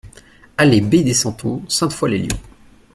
Allée B des Santons, Sainte-Foy-lès-Lyon